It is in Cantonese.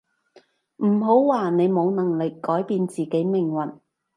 唔好話你冇能力改變自己命運